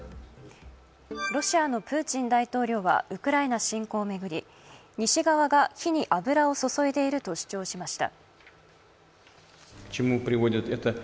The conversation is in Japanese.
ロシアのプーチン大統領はウクライナ侵攻を巡り、西側が火に油を注いでいると主張しました。